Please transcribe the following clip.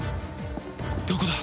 どこだ？